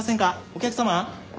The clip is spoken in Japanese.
お客様！